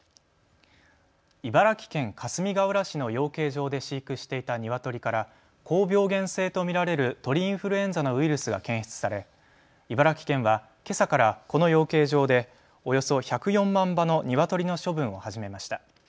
茨城県かすみがうら市の養鶏場で飼育していたニワトリから高病原性と見られる鳥インフルエンザのウイルスが検出され茨城県は、けさからこの養鶏場でおよそ１０４万羽のニワトリの処分を始めました。